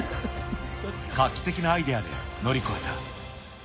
画期的なアイデアで乗り越えた。